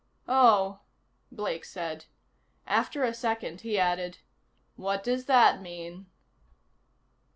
"Oh," Blake said. After a second he added: "What does that mean?"